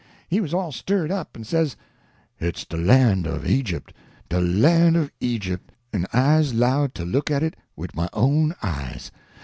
He was all stirred up, and says: "Hit's de lan' of Egypt, de lan' of Egypt, en I's 'lowed to look at it wid my own eyes!